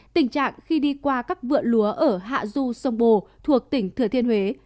tình trạng khi đi qua các vựa lúa ở hạ du sông bồ thuộc tỉnh thừa thiên huế